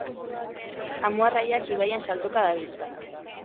Amurraiak ibaian saltoka dabiltza.